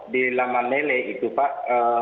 di laman lele itu pak